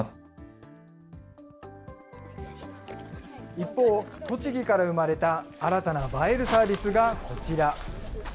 一方、栃木から生まれた新たな映えるサービスがこちら。